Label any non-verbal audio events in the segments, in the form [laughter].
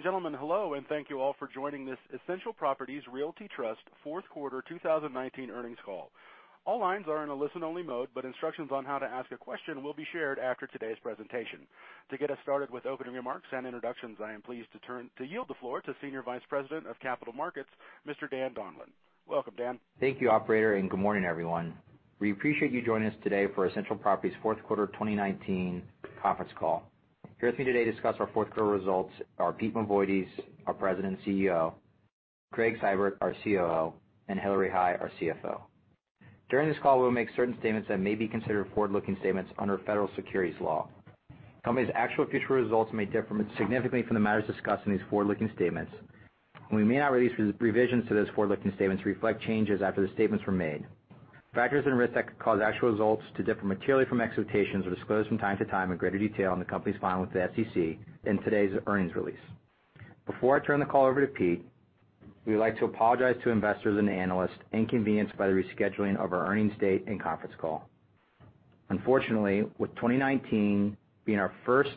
Ladies and gentlemen, hello, and thank you all for joining this Essential Properties Realty Trust fourth quarter 2019 earnings call. All lines are in a listen-only mode, but instructions on how to ask a question will be shared after today's presentation. To get us started with opening remarks and introductions, I am pleased to yield the floor to Senior Vice President of Capital Markets, Mr. Dan Donlan. Welcome, Dan. Thank you, operator. Good morning, everyone. We appreciate you joining us today for Essential Properties' fourth quarter 2019 conference call. Here with me today to discuss our fourth quarter results are Peter Mavoides, our President and CEO, Gregg Seibert, our COO, and Hillary Hai, our CFO. During this call, we'll make certain statements that may be considered forward-looking statements under federal securities law. The company's actual future results may differ significantly from the matters discussed in these forward-looking statements. We may not release revisions to those forward-looking statements to reflect changes after the statements were made. Factors and risks that could cause actual results to differ materially from expectations are disclosed from time to time in greater detail in the company's filing with the SEC and today's earnings release. Before I turn the call over to Pete, we'd like to apologize to investors and analysts inconvenienced by the rescheduling of our earnings date and conference call. Unfortunately, with 2019 being our first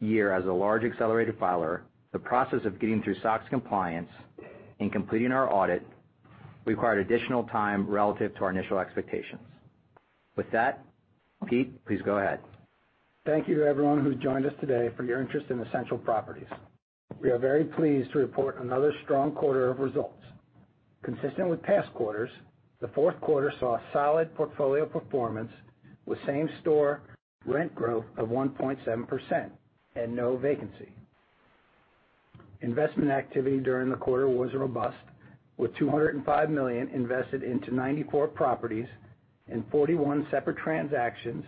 year as a large accelerated filer, the process of getting through SOX compliance and completing our audit required additional time relative to our initial expectations. With that, Pete Mavoides, please go ahead. Thank you to everyone who's joined us today for your interest in Essential Properties. We are very pleased to report another strong quarter of results. Consistent with past quarters, the fourth quarter saw solid portfolio performance with same-store rent growth of 1.7% and no vacancy. Investment activity during the quarter was robust, with $205 million invested into 94 properties in 41 separate transactions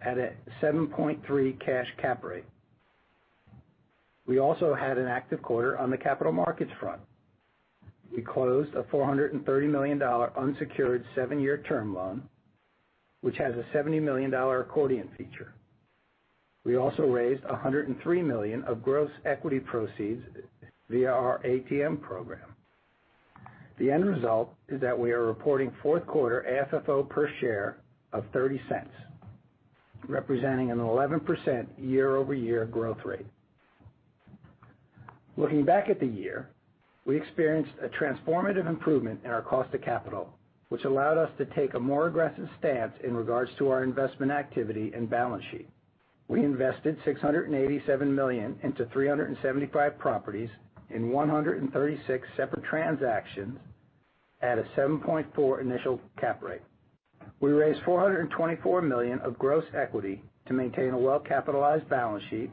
at a 7.3 cash cap rate. We also had an active quarter on the capital markets front. We closed a $430 million unsecured seven-year term loan, which has a $70 million accordion feature. We also raised $103 million of gross equity proceeds via our at-the-market program. The end result is that we are reporting fourth quarter adjusted funds from operations per share of $0.30, representing an 11% year-over-year growth rate. Looking back at the year, we experienced a transformative improvement in our cost of capital, which allowed us to take a more aggressive stance in regards to our investment activity and balance sheet. We invested $687 million into 375 properties in 136 separate transactions at a 7.4 initial cap rate. We raised $424 million of gross equity to maintain a well-capitalized balance sheet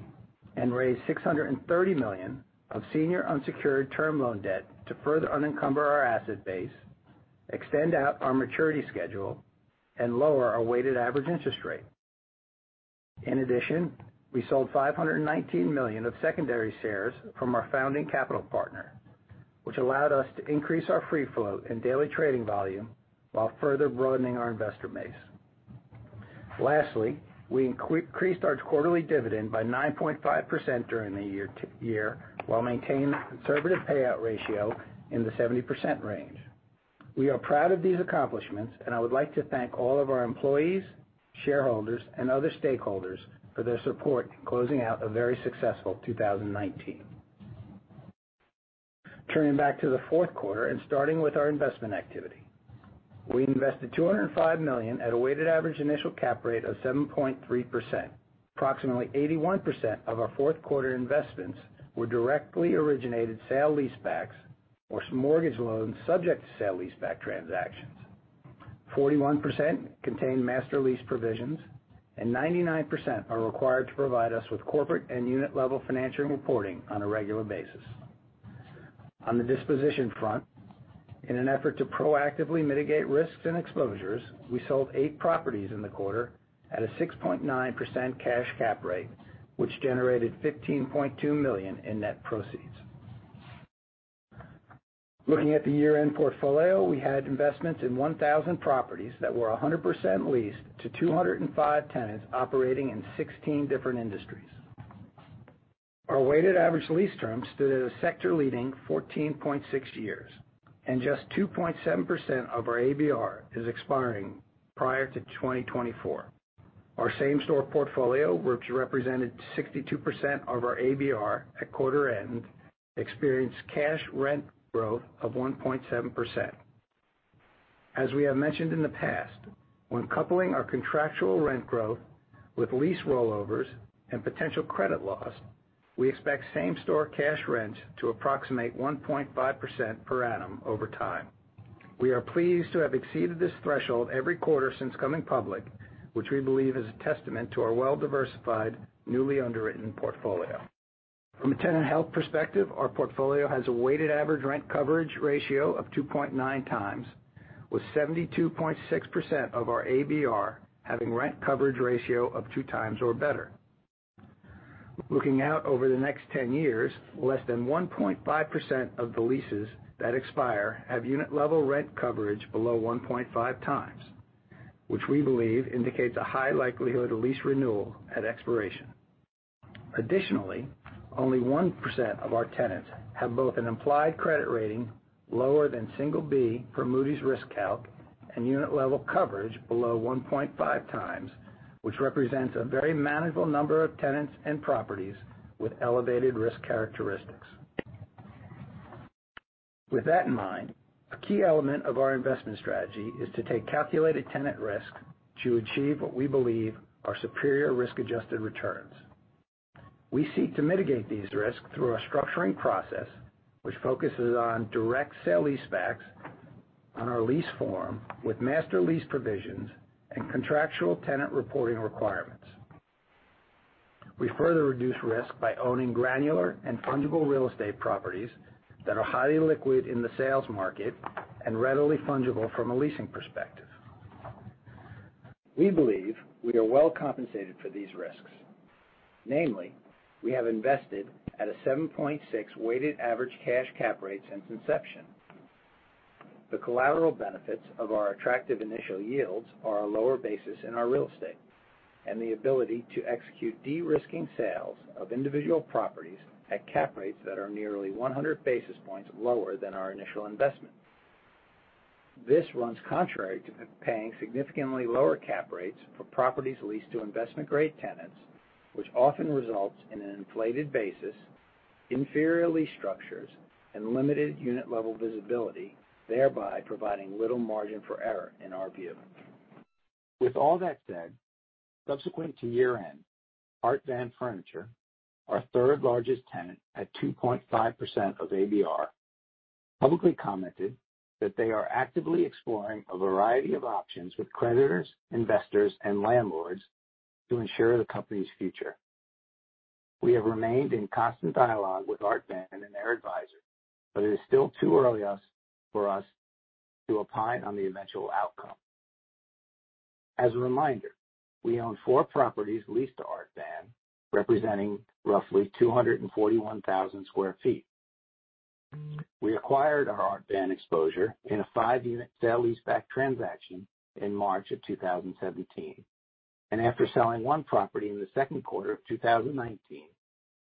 and raised $630 million of senior unsecured term loan debt to further unencumber our asset base, extend out our maturity schedule, and lower our weighted average interest rate. In addition, we sold $519 million of secondary shares from our founding capital partner, which allowed us to increase our free flow and daily trading volume while further broadening our investor base. Lastly, we increased our quarterly dividend by 9.5% during the year while maintaining a conservative payout ratio in the 70% range. We are proud of these accomplishments. I would like to thank all of our employees, shareholders, and other stakeholders for their support in closing out a very successful 2019. Turning back to the fourth quarter and starting with our investment activity. We invested $205 million at a weighted average initial cap rate of 7.3%. Approximately 81% of our fourth quarter investments were directly originated sale-leasebacks or some mortgage loans subject to sale-leaseback transactions. 41% contained master lease provisions. 99% are required to provide us with corporate and unit-level financial reporting on a regular basis. On the disposition front, in an effort to proactively mitigate risks and exposures, we sold eight properties in the quarter at a 6.9% cash cap rate, which generated $15.2 million in net proceeds. Looking at the year-end portfolio, we had investments in 1,000 properties that were 100% leased to 205 tenants operating in 16 different industries. Our weighted average lease term stood at a sector-leading 14.6 years, and just 2.7% of our annualized base rent is expiring prior to 2024. Our same-store portfolio, which represented 62% of our ABR at quarter end, experienced cash rent growth of 1.7%. As we have mentioned in the past, when coupling our contractual rent growth with lease rollovers and potential credit loss, we expect same-store cash rents to approximate 1.5% per annum over time. We are pleased to have exceeded this threshold every quarter since coming public, which we believe is a testament to our well-diversified, newly underwritten portfolio. From a tenant health perspective, our portfolio has a weighted average rent coverage ratio of 2.9x, with 72.6% of our ABR having rent coverage ratio of 2x or better. Looking out over the next 10 years, less than 1.5% of the leases that expire have unit-level rent coverage below 1.5x, which we believe indicates a high likelihood of lease renewal at expiration. Additionally, only 1% of our tenants have both an implied credit rating lower than single B per Moody's RiskCalc and unit-level coverage below 1.5x, which represents a very manageable number of tenants and properties with elevated risk characteristics. With that in mind, a key element of our investment strategy is to take calculated tenant risk to achieve what we believe are superior risk-adjusted returns. We seek to mitigate these risks through our structuring process, which focuses on direct sale-leasebacks on our lease form with master lease provisions and contractual tenant reporting requirements. We further reduce risk by owning granular and fungible real estate properties that are highly liquid in the sales market and readily fungible from a leasing perspective. We believe we are well compensated for these risks. Namely, we have invested at a 7.6 weighted average cash cap rate since inception. The collateral benefits of our attractive initial yields are a lower basis in our real estate, and the ability to execute de-risking sales of individual properties at cap rates that are nearly 100 basis points lower than our initial investment. This runs contrary to paying significantly lower cap rates for properties leased to investment-grade tenants, which often results in an inflated basis, inferior lease structures, and limited unit-level visibility, thereby providing little margin for error in our view. With all that said, subsequent to year-end, Art Van Furniture, our third-largest tenant at 2.5% of ABR, publicly commented that they are actively exploring a variety of options with creditors, investors, and landlords to ensure the company's future. We have remained in constant dialogue with Art Van and their advisors, but it is still too early for us to opine on the eventual outcome. As a reminder, we own four properties leased to Art Van, representing roughly 241,000 sq ft. We acquired our Art Van exposure in a five-unit sale-leaseback transaction in March of 2017. After selling one property in the second quarter of 2019,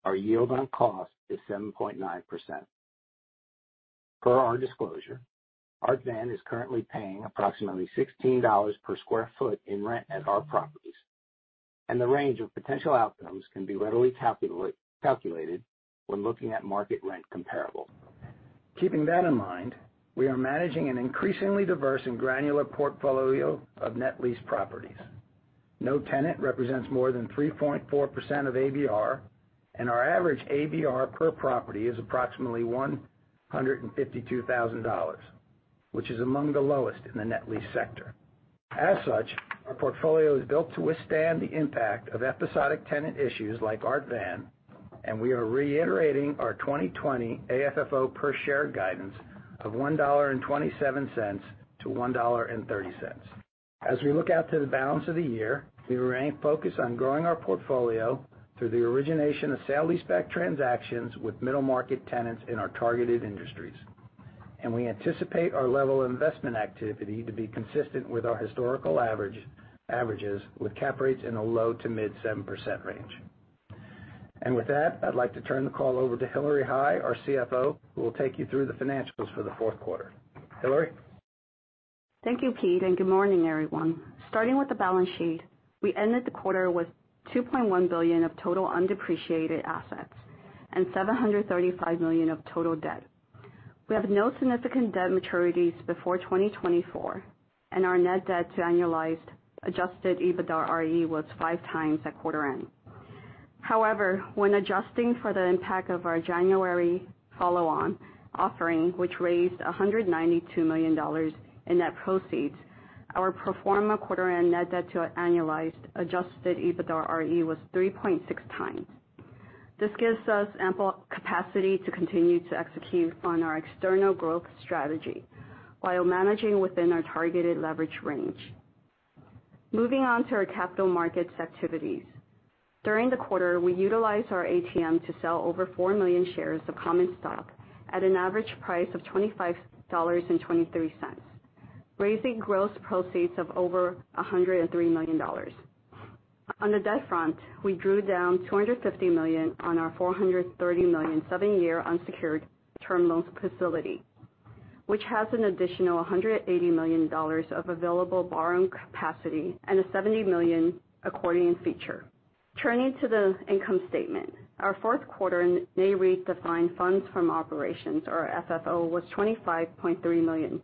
our yield on cost is 7.9%. Per our disclosure, Art Van is currently paying approximately $16 per sq ft in rent at our properties, and the range of potential outcomes can be readily calculated when looking at market rent comparable. Keeping that in mind, we are managing an increasingly diverse and granular portfolio of net lease properties. No tenant represents more than 3.4% of ABR, and our average ABR per property is approximately $152,000, which is among the lowest in the net lease sector. As such, our portfolio is built to withstand the impact of episodic tenant issues like Art Van, and we are reiterating our 2020 AFFO per share guidance of $1.27-$1.30. As we look out to the balance of the year, we remain focused on growing our portfolio through the origination of sale-leaseback transactions with middle-market tenants in our targeted industries. We anticipate our level of investment activity to be consistent with our historical averages with cap rates in a low to mid 7% range. With that, I'd like to turn the call over to Hillary Hai, our CFO, who will take you through the financials for the fourth quarter. Hillary? Thank you, Pete, and good morning, everyone. Starting with the balance sheet, we ended the quarter with $2.1 billion of total undepreciated assets and $735 million of total debt. We have no significant debt maturities before 2024, and our net debt to annualized adjusted EBITDARE was 5x at quarter end. However, when adjusting for the impact of our January follow-on offering, which raised $192 million in net proceeds, our pro forma quarter and net debt to annualized adjusted EBITDARE was 3.6x. This gives us ample capacity to continue to execute on our external growth strategy while managing within our targeted leverage range. Moving on to our capital markets activities. During the quarter, we utilized our ATM to sell over 4 million shares of common stock at an average price of $25.23, raising gross proceeds of over $103 million. On the debt front, we drew down $250 million on our $430 million seven-year unsecured term loans facility, which has an additional $180 million of available borrowing capacity and a $70 million accordion feature. Turning to the income statement. Our fourth quarter NAREIT-defined funds from operations or FFO was $25.3 million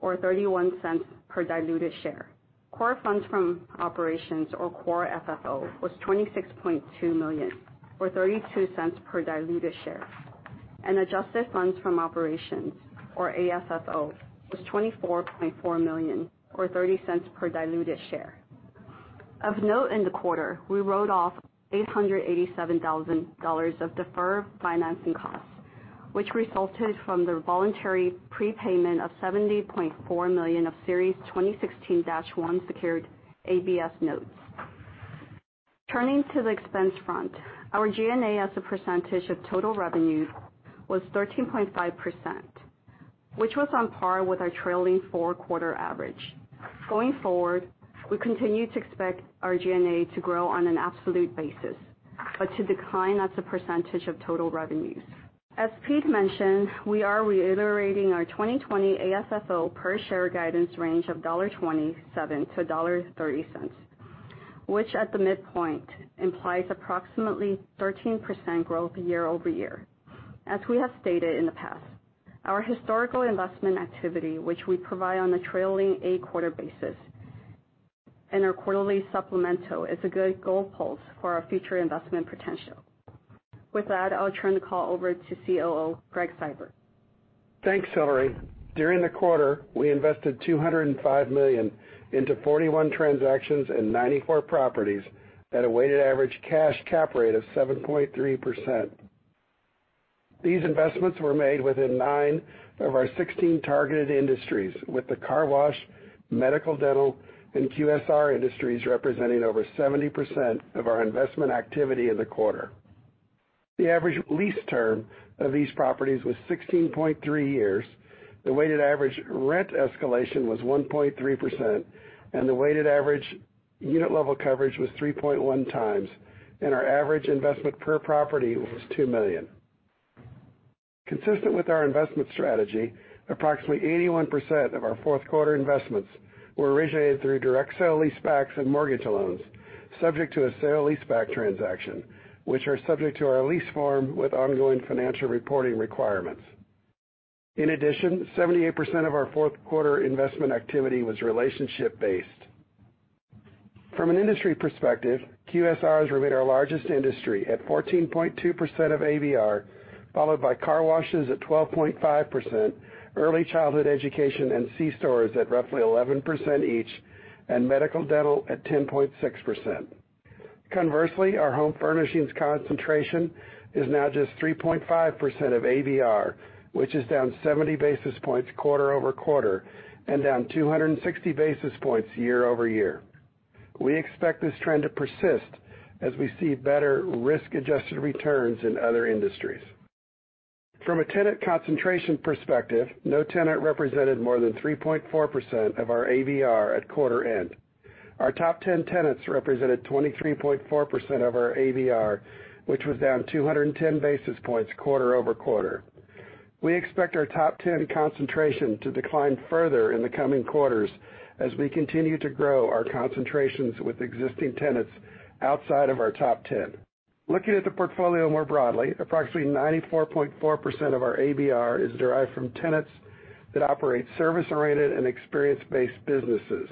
or $0.31 per diluted share. Core funds from operations or core FFO was $26.2 million or $0.32 per diluted share, and adjusted funds from operations or AFFO was $24.4 million or $0.30 per diluted share. Of note in the quarter, we wrote off $887,000 of deferred financing costs, which resulted from the voluntary prepayment of $70.4 million of Series 2016-1 secured ABS notes. Turning to the expense front. Our G&A as a percentage of total revenues was 13.5%, which was on par with our trailing four-quarter average. Going forward, we continue to expect our G&A to grow on an absolute basis, to decline as a percentage of total revenues. As Pete mentioned, we are reiterating our 2020 AFFO per share guidance range of $1.27-$1.30, which at the midpoint implies approximately 13% growth year over year. As we have stated in the past, our historical investment activity, which we provide on a trailing eight-quarter basis, and our quarterly supplemental is a good gauge for our future investment potential. With that, I'll turn the call over to Chief Operating Officer, Gregg Seibert. Thanks, Hillary. During the quarter, we invested $205 million into 41 transactions in 94 properties at a weighted average cash cap rate of 7.3%. These investments were made within nine of our 16 targeted industries, with the car wash, medical, dental, and quick-service restaurant industries representing over 70% of our investment activity in the quarter. The average lease term of these properties was 16.3 years. The weighted average rent escalation was 1.3%. The weighted average unit level coverage was 3.1x. Our average investment per property was $2 million. Consistent with our investment strategy, approximately 81% of our fourth quarter investments were originated through direct sale-leasebacks and mortgage loans subject to a sale-leaseback transaction, which are subject to our lease form with ongoing financial reporting requirements. In addition, 78% of our fourth quarter investment activity was relationship based. From an industry perspective, QSRs remained our largest industry at 14.2% of annualized base rent, followed by car washes at 12.5%, early childhood education and C stores at roughly 11% each, and medical/dental at 10.6%. Conversely, our home furnishings concentration is now just 3.5% of ABR, which is down 70 basis points quarter-over-quarter and down 260 basis points year-over-year. We expect this trend to persist as we see better risk-adjusted returns in other industries. From a tenant concentration perspective, no tenant represented more than 3.4% of our ABR at quarter end. Our top 10 tenants represented 23.4% of our ABR, which was down 210 basis points quarter-over-quarter. We expect our top 10 concentration to decline further in the coming quarters as we continue to grow our concentrations with existing tenants outside of our top 10. Looking at the portfolio more broadly, approximately 94.4% of our ABR is derived from tenants that operate service-oriented and experience-based businesses,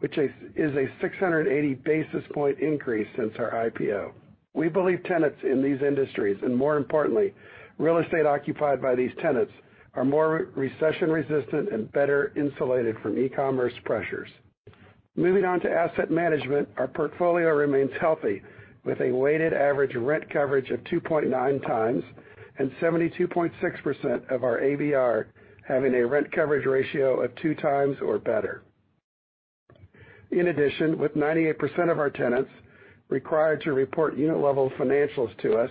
which is a 680 basis points increase since our IPO. We believe tenants in these industries, and more importantly, real estate occupied by these tenants, are more recession resistant and better insulated from e-commerce pressures. Moving on to asset management, our portfolio remains healthy with a weighted average rent coverage of 2.9x and 72.6% of our ABR having a rent coverage ratio of 2x or better. In addition, with 98% of our tenants required to report unit level financials to us,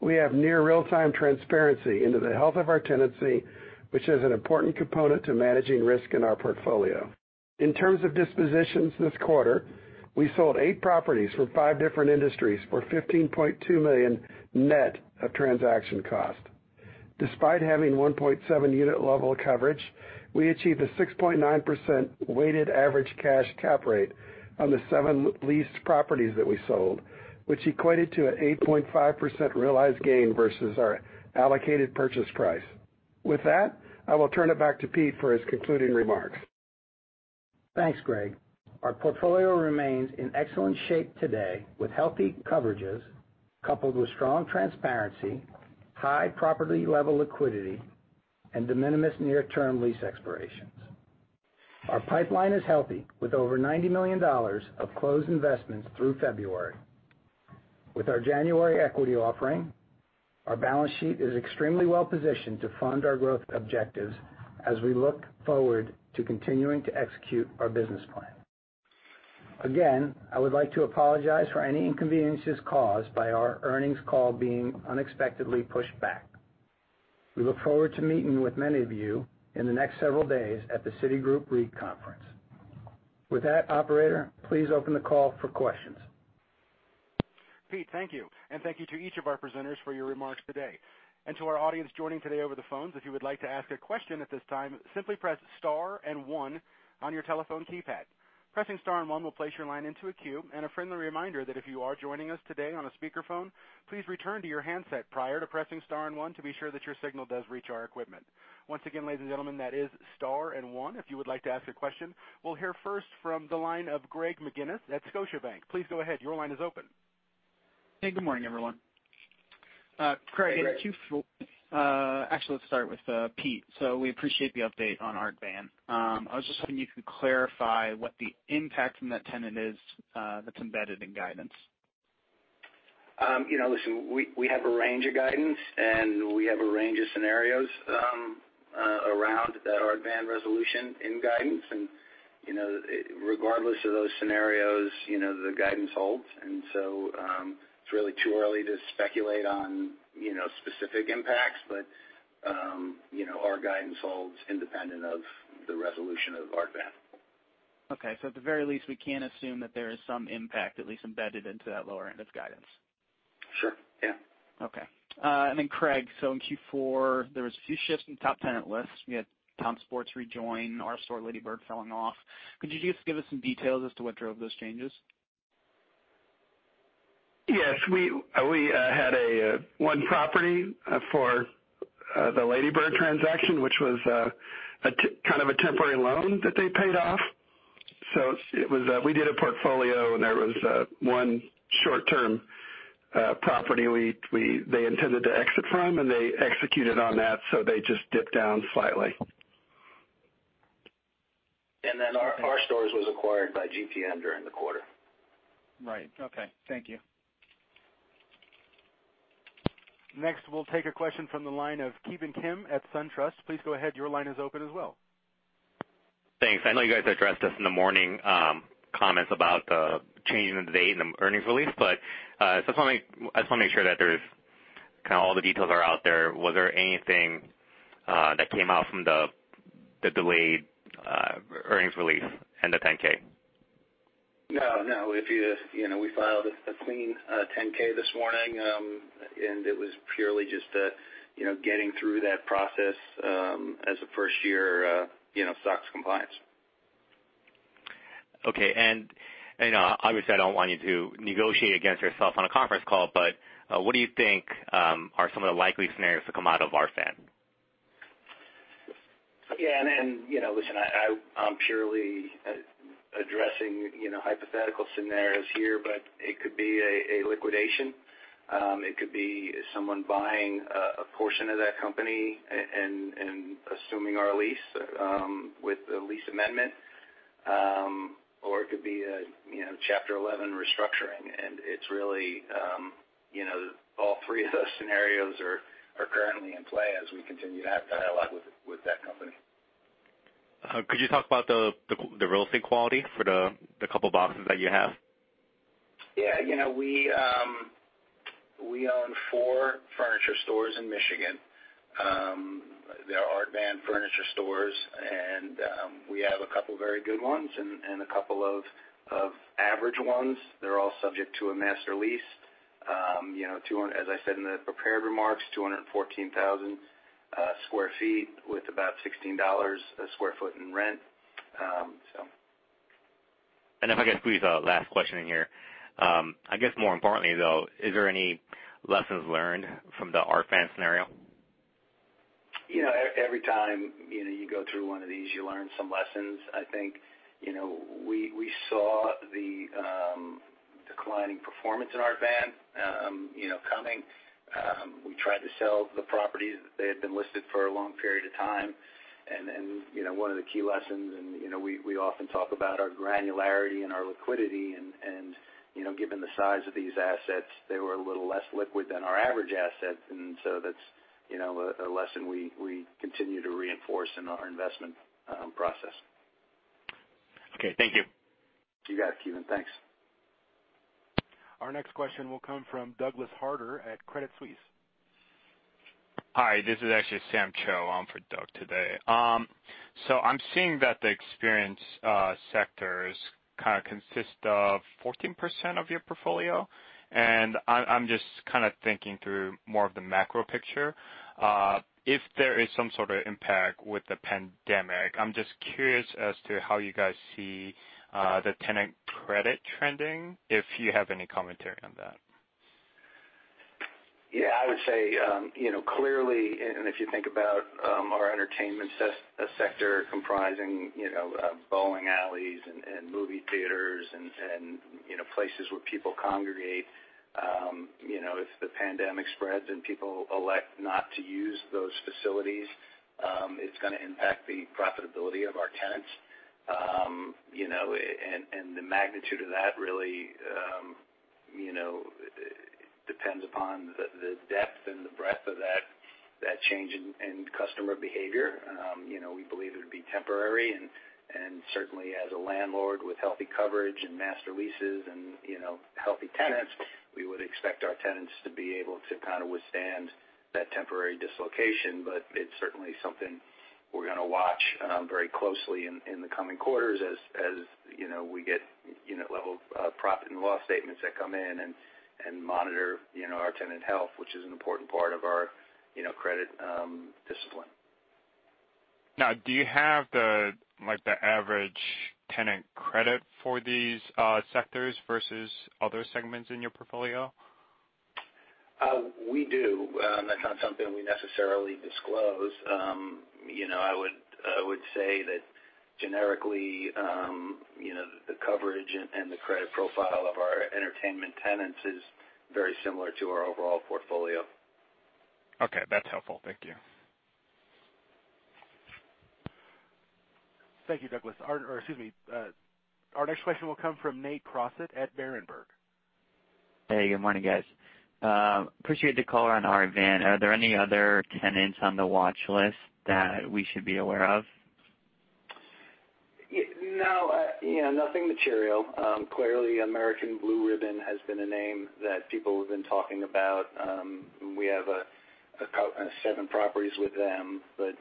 we have near real time transparency into the health of our tenancy, which is an important component to managing risk in our portfolio. In terms of dispositions this quarter, we sold eight properties from five different industries for $15.2 million net of transaction cost. Despite having 1.7 unit level coverage, we achieved a 6.9% weighted average cash cap rate on the seven leased properties that we sold, which equated to an 8.5% realized gain versus our allocated purchase price. With that, I will turn it back to Pete for his concluding remarks. Thanks, Gregg. Our portfolio remains in excellent shape today with healthy coverages coupled with strong transparency, high property level liquidity, and de minimis near term lease expirations. Our pipeline is healthy with over $90 million of closed investments through February. With our January equity offering, our balance sheet is extremely well-positioned to fund our growth objectives as we look forward to continuing to execute our business plan. Again, I would like to apologize for any inconveniences caused by our earnings call being unexpectedly pushed back. We look forward to meeting with many of you in the next several days at the Citigroup REIT conference. With that, operator, please open the call for questions. Pete, thank you. Thank you to each of our presenters for your remarks today. To our audience joining today over the phones, if you would like to ask a question at this time, simply press star and one on your telephone keypad. Pressing star and one will place your line into a queue. A friendly reminder that if you are joining us today on a speakerphone, please return to your handset prior to pressing star and one to be sure that your signal does reach our equipment. Once again, ladies and gentlemen, that is star and one if you would like to ask a question. We'll hear first from the line of Greg McGinniss at Scotiabank. Please go ahead. Your line is open. Hey, good morning, everyone. Hey, Greg. Actually, let's start with Pete. We appreciate the update on Art Van. I was just hoping you could clarify what the impact from that tenant is that's embedded in guidance? Listen, we have a range of guidance, and we have a range of scenarios around the Art Van resolution in guidance. Regardless of those scenarios, the guidance holds. It's really too early to speculate on specific impacts, but our guidance holds independent of the resolution of Art Van. Okay. At the very least, we can assume that there is some impact at least embedded into that lower end of guidance. Sure. Yeah. Okay. Greg, in Q4, there was a few shifts in top tenant lists. We had Town Sports rejoin, R-Store and Ladybird Academy falling off. Could you just give us some details as to what drove those changes? Yes. We had one property for the Ladybird transaction, which was kind of a temporary loan that they paid off. We did a portfolio, and there was one short-term property they intended to exit from, and they executed on that, so they just dipped down slightly. R-Store was acquired by GPM during the quarter. Right. Okay. Thank you. Next, we'll take a question from the line of Ki Bin Kim at SunTrust. Please go ahead. Your line is open as well. Thanks. I know you guys addressed this in the morning comments about the changing of the date and the earnings release. I just want to make sure that kind of all the details are out there. Was there anything that came out from the delayed earnings release and the 10-K? No. We filed a clean 10-K this morning, and it was purely just getting through that process as a first-year SOX compliance. Okay. Obviously, I don't want you to negotiate against yourself on a conference call, but what do you think are some of the likely scenarios to come out of Art Van? Yeah. Listen, I'm purely addressing hypothetical scenarios here, but it could be a liquidation. It could be someone buying a portion of that company and assuming our lease with the lease amendment. It could be a Chapter 11 restructuring. It's really all three of those scenarios are currently in play as we continue to have dialogue with that company. Could you talk about the real estate quality for the couple boxes that you have? Yeah. We own four furniture stores in Michigan. They're Art Van Furniture stores, and we have a couple very good ones and a couple of average ones. They're all subject to a master lease. As I said in the prepared remarks, 214,000 sq ft with about $16 a square foot in rent. If I could squeeze a last question in here. I guess more importantly, though, is there any lessons learned from the Art Van scenario? Every time you go through one of these, you learn some lessons, I think. We saw the declining performance in Art Van coming. We tried to sell the properties. They had been listed for a long period of time. One of the key lessons, and we often talk about our granularity and our liquidity, and given the size of these assets, they were a little less liquid than our average asset. That's a lesson we continue to reinforce in our investment process. Okay. Thank you. You got it, Ki Bin. Thanks. Our next question will come from Douglas Harter at Credit Suisse. Hi, this is actually Sam Cho on for Douglas today. I'm seeing that the experience sector kind of consists of 14% of your portfolio, and I'm just kind of thinking through more of the macro picture. If there is some sort of impact with the pandemic, I'm just curious as to how you guys see the tenant credit trending, if you have any commentary on that? Yeah, I would say, clearly, if you think about our entertainment sector comprising bowling alleys and movie theaters and places where people congregate. If the pandemic spreads and people elect not to use those facilities, it's going to impact the profitability of our tenants. The magnitude of that really depends upon the depth and the breadth of that change in customer behavior. We believe it'll be temporary, certainly as a landlord with healthy coverage and master leases and healthy tenants, we would expect our tenants to be able to kind of withstand that temporary dislocation. It's certainly something we're going to watch very closely in the coming quarters as we get unit-level profit and loss statements that come in and monitor our tenant health, which is an important part of our credit discipline. Now, do you have the average tenant credit for these sectors versus other segments in your portfolio? We do. That's not something we necessarily disclose. I would say that generically, the coverage and the credit profile of our entertainment tenants is very similar to our overall portfolio. Okay. That's helpful. Thank you. Thank you. Sam Cho. Excuse me. Our next question will come from Nate Crossett at Berenberg. Hey, good morning, guys. Appreciate the call on Art Van. Are there any other tenants on the watch list that we should be aware of? No, nothing material. Clearly, American Blue Ribbon has been a name that people have been talking about. We have a about seven properties with them, but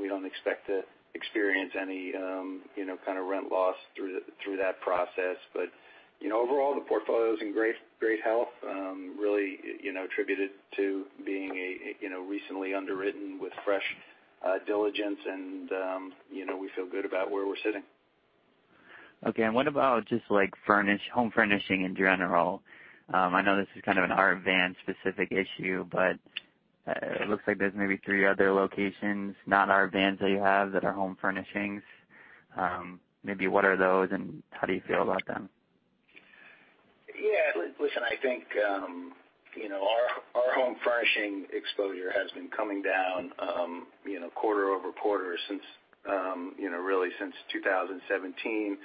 we don't expect to experience any kind of rent loss through that process. Overall, the portfolio's in great health, really attributed to being recently underwritten with fresh diligence, and we feel good about where we're sitting. Okay. What about just home furnishing in general? I know this is kind of an Art Van-specific issue, but it looks like there's maybe three other locations, not Art Van's, that you have that are home furnishings. Maybe what are those, and how do you feel about them? Yeah. Listen, I think our home furnishing exposure has been coming down quarter-over-quarter really since 2017,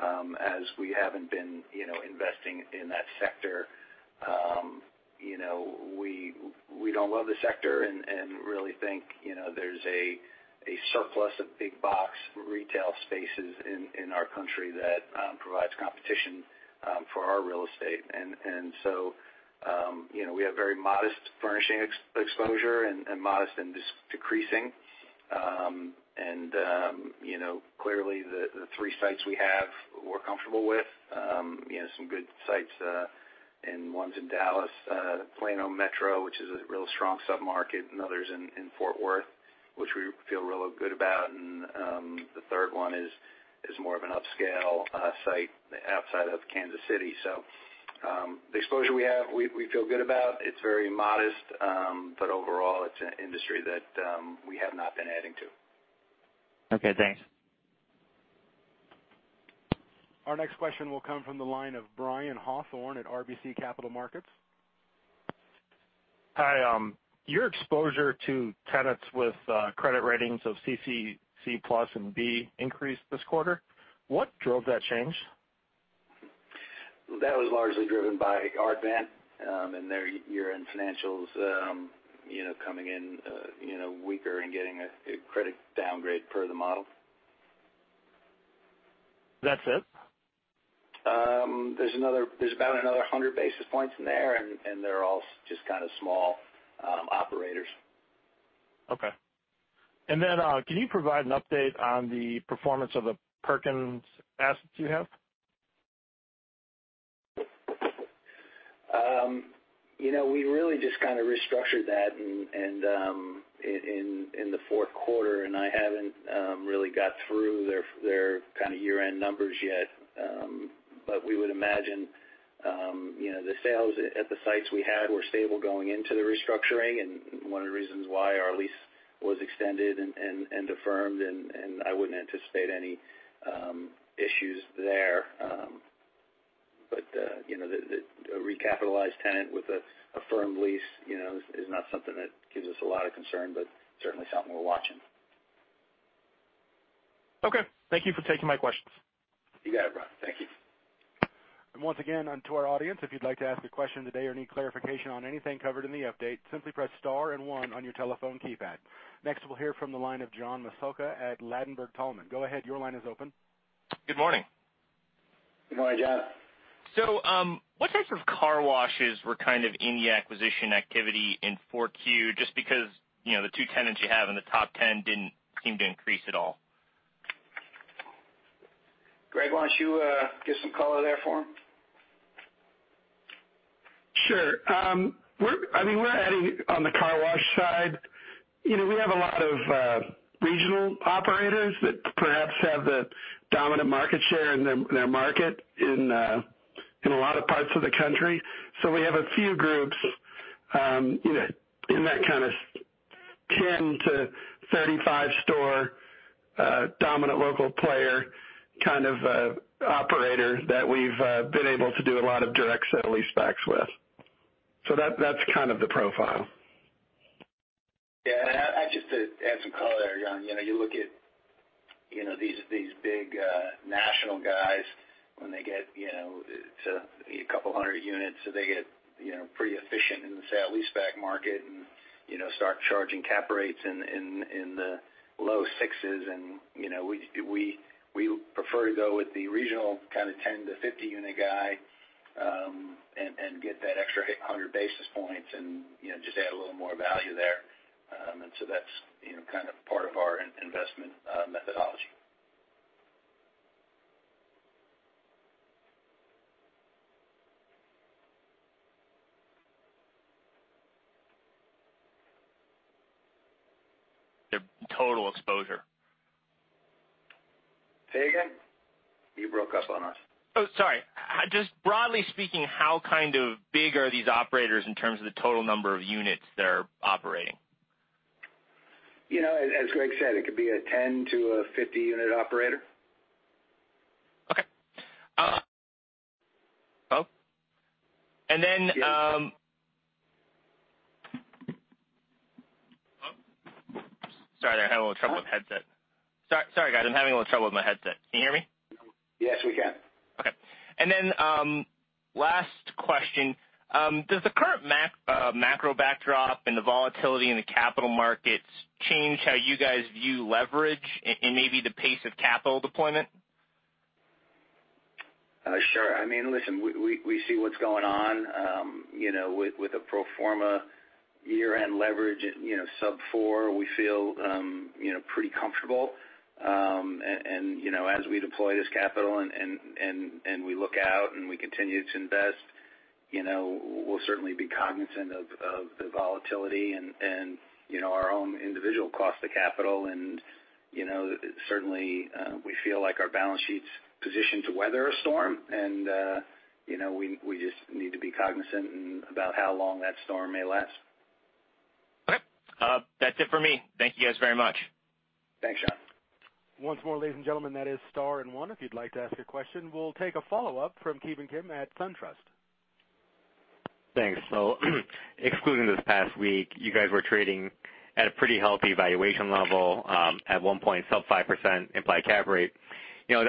as we haven't been investing in that sector. We don't love the sector and really think there's a surplus of big-box retail spaces in our country that provides competition for our real estate. We have very modest furnishing exposure, and modest and decreasing. Clearly, the three sites we have, we're comfortable with. Some good sites, and one's in Dallas, Plano Metro, which is a real strong sub-market. Another's in Fort Worth, which we feel real good about. The third one is more of an upscale site outside of Kansas City. The exposure we have, we feel good about. It's very modest, but overall, it's an industry that we have not been adding to. Okay, thanks. Our next question will come from the line of Brian Hawthorne at RBC Capital Markets. Hi. Your exposure to tenants with credit ratings of CCC+ and B increased this quarter. What drove that change? That was largely driven by Art Van and their year-end financials coming in weaker and getting a credit downgrade per the model. That's it? There's about another 100 basis points in there, and they're all just kind of small operators. Okay. Can you provide an update on the performance of the Perkins assets you have? We really just kind of restructured that in the fourth quarter, and I haven't really got through their year-end numbers yet. We would imagine the sales at the sites we had were stable going into the restructuring, and one of the reasons why our lease was extended and affirmed, and I wouldn't anticipate any issues there. A recapitalized tenant with a firmed lease is not something that gives us a lot of concern, but certainly something we're watching. Okay. Thank you for taking my questions. You got it, Brian. Thank you. Once again, to our audience, if you'd like to ask a question today or need clarification on anything covered in the update, simply press star and one on your telephone keypad. Next, we'll hear from the line of John Massocca at Ladenburg Thalmann. Go ahead, your line is open. Good morning. Good morning, John. What types of car washes were in the acquisition activity in 4Q, just because the two tenants you have in the top 10 didn't seem to increase at all? Gregg, why don't you give some color there for him? Sure. We're adding on the car wash side. We have a lot of regional operators that perhaps have the dominant market share in their market in a lot of parts of the country. We have a few groups in that kind of 10-35-store, dominant local player kind of operator that we've been able to do a lot of direct sale-leasebacks with. That's kind of the profile. Yeah. Just to add some color, John. You look at these big national guys when they get to a couple of 100 units, so they get pretty efficient in the sale-leaseback market and start charging cap rates in the low sixes. We prefer to go with the regional kind of 10-50 unit guy, and get that extra 100 basis points and just add a little more value there. That's kind of part of our investment methodology. [audio distortion] The total exposure. Say again? You broke up on us. Oh, sorry. Just broadly speaking, how kind of big are these operators in terms of the total number of units they're operating? As Gregg said, it could be a 10-50 unit operator. Okay. [audio distortion] Sorry, I have a little trouble with the headset. Sorry, guys, I'm having a little trouble with my headset. Can you hear me? Yes, we can. Okay. Last question. Does the current macro backdrop and the volatility in the capital markets change how you guys view leverage and maybe the pace of capital deployment? Sure. Listen, we see what's going on with the pro forma year-end leverage, sub-four. We feel pretty comfortable. As we deploy this capital and we look out and we continue to invest, we'll certainly be cognizant of the volatility and our own individual cost of capital. Certainly, we feel like our balance sheet's positioned to weather a storm, and we just need to be cognizant about how long that storm may last. Okay. That's it for me. Thank you guys very much. Thanks, John. Once more, ladies and gentlemen, that is star and one if you'd like to ask a question. We'll take a follow-up from Ki Bin Kim at SunTrust. Thanks. Excluding this past week, you guys were trading at a pretty healthy valuation level, at one point, sub 5% implied cap rate.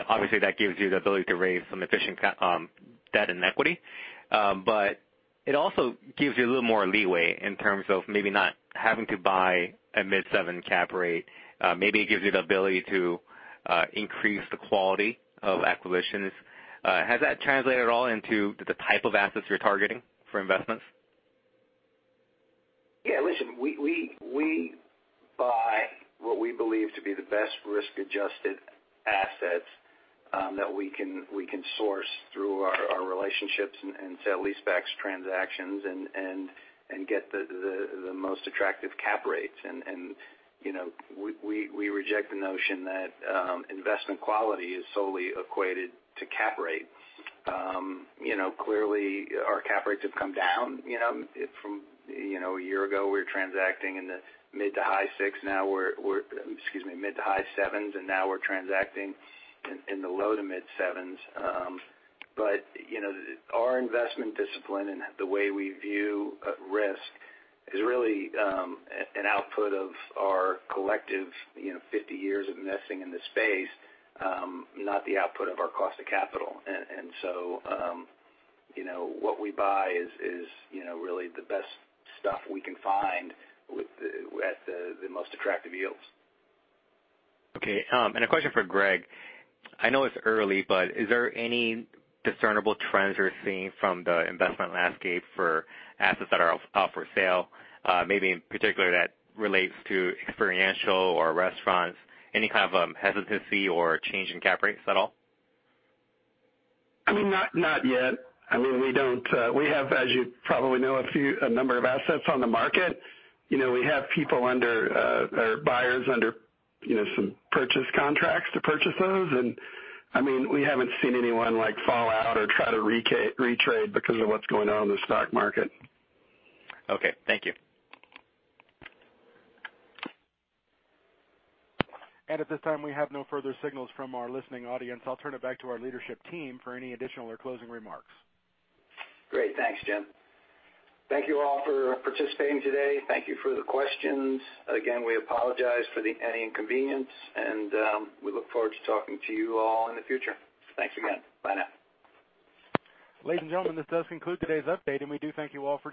Obviously, that gives you the ability to raise some efficient debt and equity. It also gives you a little more leeway in terms of maybe not having to buy a mid-seven cap rate. Maybe it gives you the ability to increase the quality of acquisitions. Has that translated at all into the type of assets you're targeting for investments? Yeah. Listen, we buy what we believe to be the best risk-adjusted assets that we can source through our relationships and sale-leaseback transactions and get the most attractive cap rates. We reject the notion that investment quality is solely equated to cap rates. Clearly, our cap rates have come down. A year ago, we were transacting in the mid to high 6%, excuse me, mid to high 7%, and now we're transacting in the low to mid 7%. Our investment discipline and the way we view risk is really an output of our collective 50 years of investing in this space, not the output of our cost of capital. What we buy is really the best stuff we can find at the most attractive yields. Okay. A question for Gregg. I know it's early, but is there any discernible trends you're seeing from the investment landscape for assets that are up for sale, maybe in particular that relates to experiential or restaurants? Any kind of hesitancy or change in cap rates at all? Not yet. We have, as you probably know, a number of assets on the market. We have buyers under some purchase contracts to purchase those. We haven't seen anyone fall out or try to re-trade because of what's going on in the stock market. Okay. Thank you. At this time, we have no further signals from our listening audience. I'll turn it back to our leadership team for any additional or closing remarks. Great. Thanks, Jim. Thank you all for participating today. Thank you for the questions. Again, we apologize for any inconvenience, and we look forward to talking to you all in the future. Thanks again. Bye now. Ladies and gentlemen, this does conclude today's update, and we do thank you all for joining.